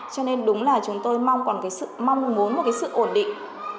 cho nên đúng là chúng tôi mong muốn một cái sự ổn định